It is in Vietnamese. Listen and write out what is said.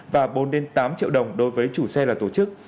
và bốn tám triệu đồng đối với chủ xe là tổ chức